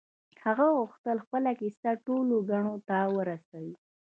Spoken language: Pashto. هغه غوښتل خپله کيسه ټولو کڼو ته ورسوي.